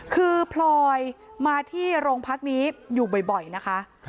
คือพลอยมาที่โรงพักนี้อยู่บ่อยนะคะ